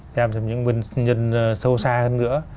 xem xem những nguyên nhân sâu xa hơn nữa